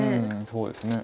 そうですね。